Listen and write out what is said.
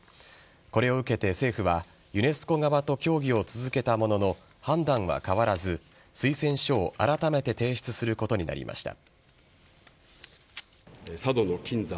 これを受けて政府はユネスコ側と協議を続けたものの判断は変わらず推薦書をあらためて提出することになりました。